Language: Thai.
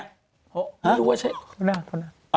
ไม่รู้ว่าใช่